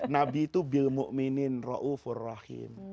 nabi itu bil mu'minin ra'ufur rahim